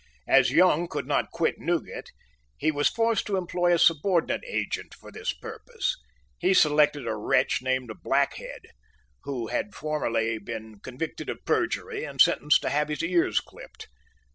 As Young could not quit Newgate, he was forced to employ a subordinate agent for this purpose. He selected a wretch named Blackhead, who had formerly been convicted of perjury and sentenced to have his ears clipped.